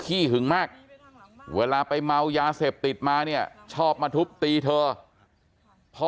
ขี้มากเวลาไปเมายาเสพติดมาเนี่ยชอบมาทุบตีเธอพอ